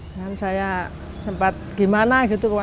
dan saya sempat gimana gitu